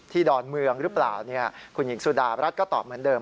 ดอนเมืองหรือเปล่าคุณหญิงสุดารัฐก็ตอบเหมือนเดิม